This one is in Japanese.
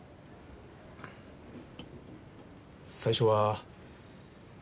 最初は。